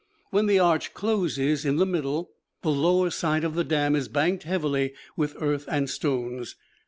When the arch closes in the middle, the lower side of the dam is banked heavily with earth and stones.